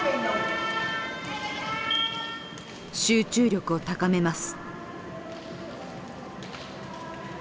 集中力を高めます。